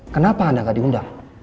kenapa anda gak diundang